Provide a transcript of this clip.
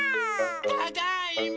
ただいま。